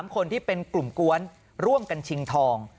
๓คนที่เป็นกลุ่มกวนร่วมกันชิงทอง